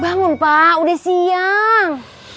bangun pak udah siang